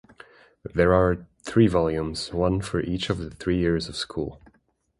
There are three volumes, one for each of the three years of school.